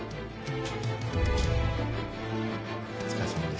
お疲れさまです。